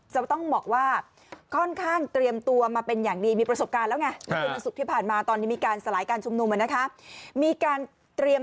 จะต้องบอกว่าค่อนข้างเตรียมตัวมาเป็นอย่างดี